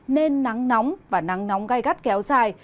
nên nắng nóng và nắng nóng gai gắt kéo dài